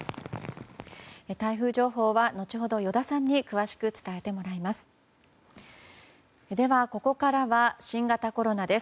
台風情報は後ほど依田さんに詳しく伝えてもらいます。